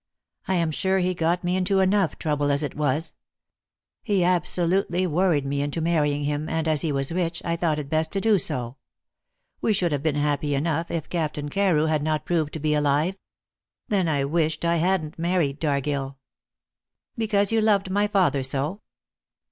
I am sure he got me into enough trouble as it was. He absolutely worried me into marrying him, and, as he was rich, I thought it best to do so. We should have been happy enough if Captain Carew had not proved to be alive. Then I wished I hadn't married Dargill." "Because you loved my father so?"